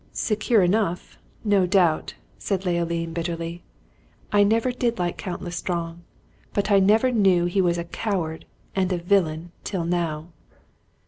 "Secure enough, no doubt!" said Leoline, bitterly. "I never did like Count L'Estrange, but I never knew he was a coward and a villain till now!"